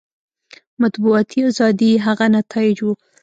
مطبوعاتي ازادي یې هغه نتایج وو.